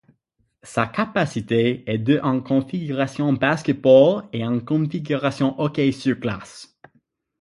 Sa capacité est de en configuration basket-ball et en configuration hockey sur glace.